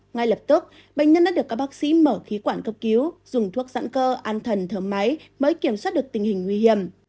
ngay lập tức bệnh nhân đã được các bác sĩ mở khí quản cấp cứu dùng thuốc dãn cơ an thần thở máy mới kiểm soát được tình hình nguy hiểm